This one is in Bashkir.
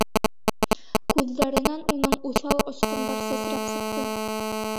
Күҙҙәренән уның уҫал осҡондар сәсрәп сыҡты.